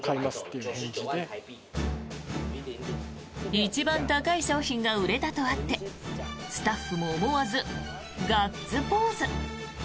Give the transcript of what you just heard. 一番高い商品が売れたとあってスタッフも思わずガッツポーズ。